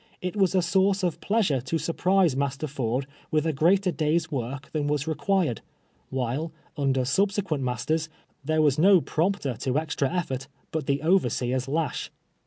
It was a source of })leasure to sur prise Master Ford with a greater day's work than was required, while, under subsequent masters, there was no prompter to extra effort but the overseer's lash.